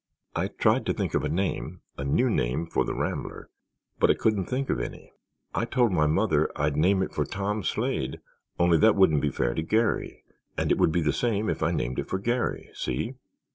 "I tried to think of a name—a new name—for the Rambler but I couldn't think of any. I told my mother I'd name it for Tom Slade only that wouldn't be fair to Garry, and it would be the same if I named it for Garry—see?